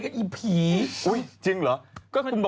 มันจะลงไปแช่น้ำไหม